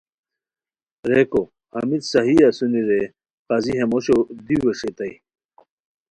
ریکو، ہمیت صحیح اسونی رے قاضی ہے موشو دی ویݰئیتائے